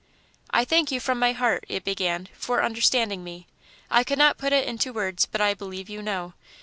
"I thank you from my heart," it began, "for understanding me. I could not put it into words, but I believe you know.